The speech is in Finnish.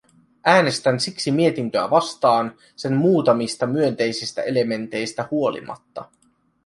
Äänestän siksi mietintöä vastaan sen muutamista myönteisistä elementeistä huolimatta.